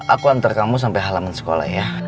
aku antar kamu sampai halaman sekolah ya